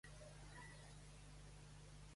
Hi ha algun lampista al carrer de Circumval·lació?